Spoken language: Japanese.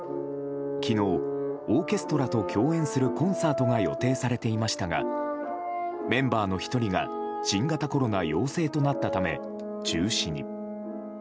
昨日、オーケストラと共演するコンサートが予定されていましたがメンバーの１人が新型コロナ陽性となったため中止に。